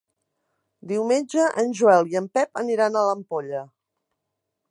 Diumenge en Joel i en Pep aniran a l'Ampolla.